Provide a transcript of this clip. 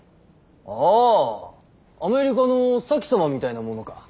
おぉアメリカの前様みたいなものか！